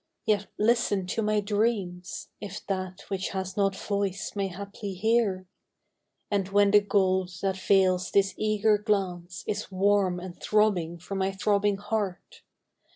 — Yet listen to my dreams (If that which has not voice may haply hear,) And when the gold that veils this eager glance Is warm and throbbing from my throbbing heart, SS To a Portrait.